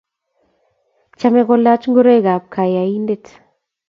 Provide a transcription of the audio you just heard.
Chamei kolach ngoroik ab kanyaindet